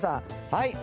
はい。